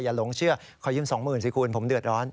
อย่าหลงเชื่อขอยืมสองหมื่นสิคุณผมเดือดร้อน